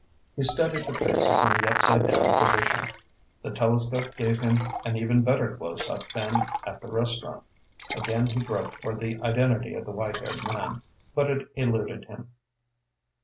He studied the faces in the upside down position. The telescope gave him an even better close up than at the restaurant. Again he groped for the identity of the white haired man, but it eluded him.